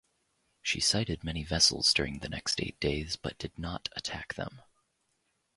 She sighted many vessels during the next eight days, but did not attack them.